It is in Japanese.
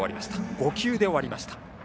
５球で終わりました。